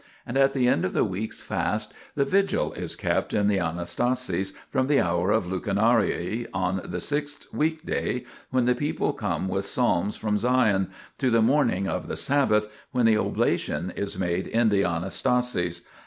And at the end of the weeks' fast the vigil is kept in the Anastasis from the hour of lucernare on the sixth weekday, when the people come with psalms from Sion, to the morning of the Sabbath, when the oblation is made in the Anastasis.